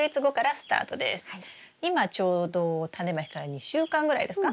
今ちょうどタネまきから２週間ぐらいですか？